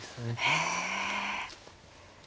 へえ。